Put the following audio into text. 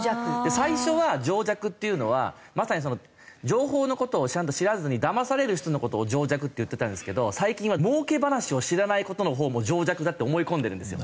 最初は情弱っていうのはまさにその情報の事をちゃんと知らずにだまされる人の事を情弱って言ってたんですけど最近は儲け話を知らない事のほうも情弱だって思い込んでるんですよ。